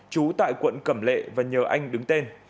trú tại quận cẩm lệ và nhờ anh đứng tên